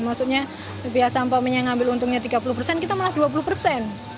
maksudnya bpih sampah yang ngambil untungnya tiga puluh persen kita malah dua puluh persen